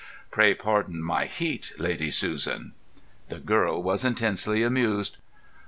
"Pray pardon my heat, Lady Susan." The girl was intensely amused.